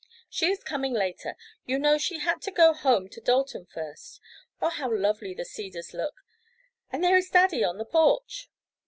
"She is coming, later. You know she had to go home to Dalton first. Oh, how lovely The Cedars look! And there is daddy on the porch!"